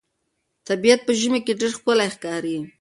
طبیعت په ژمي کې ډېر ښکلی ښکاري.